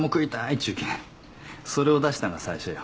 っちゅうけんそれを出したんが最初よ。